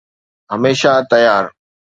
هميشه تيار